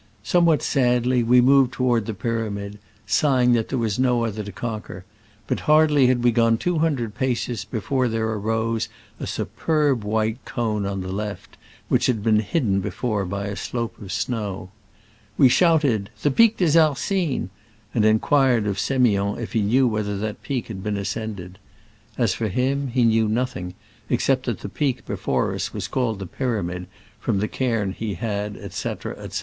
Somewhat sadly we moved to ward the pyramid, sighing that there was no other to conquer, but hai dly had we gone two hundred paces before there rose a superb white cone on the left, which had been hidden before by a slope of snow. We shouted, " The Pic des Arcines !" and inquired of S6miond if he knew whether that peak had been ascended. As for him, he knew noth ing except that the peak before us was called the Pyramid, from the cairn he had, etc., etc.